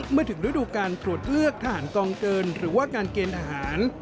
เมื่อถึงฤดูการตรวจเลือกทหารกองเกินหรือว่าการเกณฑ์ทหาร